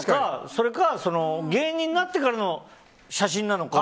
それか、芸人になってからの写真なのか。